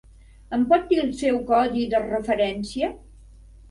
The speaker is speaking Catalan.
Em pot dir el seu codi de referència?